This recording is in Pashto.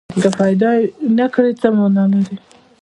که یې پیدا نه کړي، څه معنی لري؟